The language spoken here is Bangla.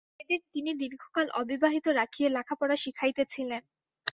মেয়েদের তিনি দীর্ঘকাল অবিবাহিত রাখিয়া লেখাপড়া শিখাইতেছিলেন।